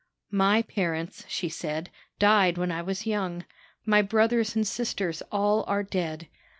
"'My parents,' she said, 'died when I was young My brothers and sisters all are dead.